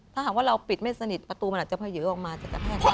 ถ้าหากว่าเราปิดไม่สนิทประตูมันอาจจะพยืออออกมาจะกระแทกได้